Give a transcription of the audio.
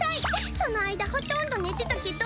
その間ほとんど寝てたけど。